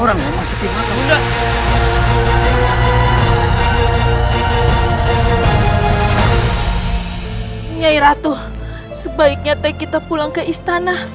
nyairatuh sebaiknya teh kita pulang ke istana